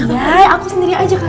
ya aku sendiri aja